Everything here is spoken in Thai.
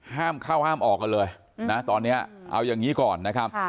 ห้ามเข้าห้ามออกกันเลยนะตอนนี้เอาอย่างนี้ก่อนนะครับ